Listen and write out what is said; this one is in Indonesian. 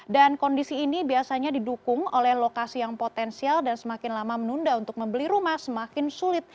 dan kondisi ini biasanya didukung oleh lokasi yang potensial dan semakin lama menunda untuk membeli rumah semakin sulit